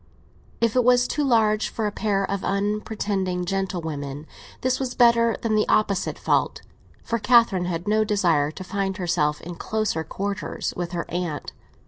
If it was too large for a pair of unpretending gentlewomen, this was better than the opposite fault; for Catherine had no desire to find herself in closer quarters with her aunt.